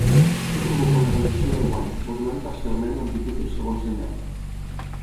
Això provoca una reducció del guany, modulant parcialment l'amplitud del segon senyal.